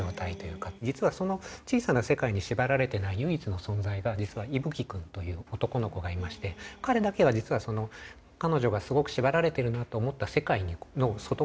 実はその小さな世界に縛られてない唯一の存在が実は伊吹くんという男の子がいまして彼だけは彼女がすごく縛られているなと思った世界の外側に平気でジャンプできる子。